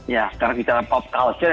ya kalau bicara tentang pop culture